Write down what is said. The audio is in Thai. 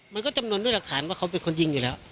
มันก็จำนวนด้วยหลักฐานว่าเขาเป็นคนยิงอยู่แล้ว